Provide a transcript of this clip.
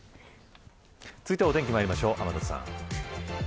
続いてはお天気まいりましょう天達さん。